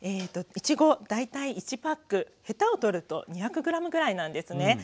いちご大体１パックへたを取ると２００ｇぐらいなんですね。